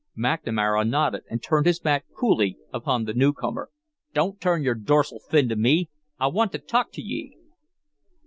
McNamara nodded and turned his back coolly upon the new comer. "Don't turn your dorsal fin to me; I wan' to talk to ye."